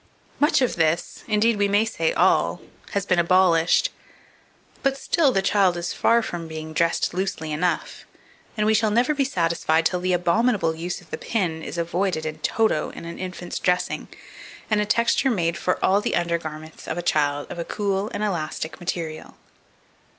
2493. Much of this indeed we may say all has been abolished; but still the child is far from being dressed loosely enough; and we shall never be satisfied till the abominable use of the pin is avoided in toto in an infant's dressing, and a texture made for all the under garments of a child of a cool and elastic material.